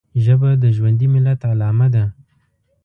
ژبه د ژوندي ملت علامه ده